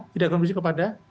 tidak konfirmasi kepada